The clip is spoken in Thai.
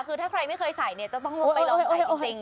คือถ้าใครไม่เคยใส่เนี่ยจะต้องลุกไปลองใส่จริง